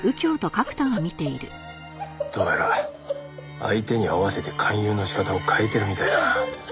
どうやら相手に合わせて勧誘の仕方を変えてるみたいだな。